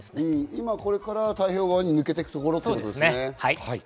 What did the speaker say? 今、これから太平洋側に抜けていくところですね。